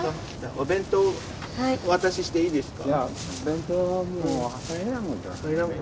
お弁当お渡ししていいですか？